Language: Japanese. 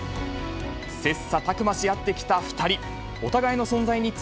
切さたく磨し合ってきた２人。